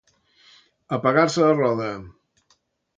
Apegar-se a roda.